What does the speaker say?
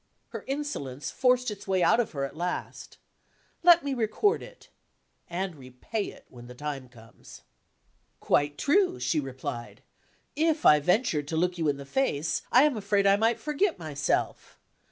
Her insolence forced its way out of her at last. Let me record it and repay it, when the time comes. "Quite true," she replied. "If I ventured to look you in the face, I am afraid I might forget myself.